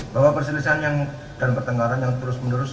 bahwa perselisihan dan pertengkaran yang terus menerus